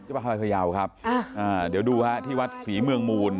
บ๊วยไปพญาวครับเดี๋ยวดูที่วัดศรีเมืองมูล